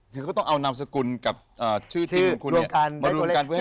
คือเขาต้องเอานามสกุลกับชื่อจริงของคุณเนี่ย